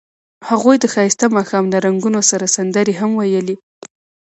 هغوی د ښایسته ماښام له رنګونو سره سندرې هم ویلې.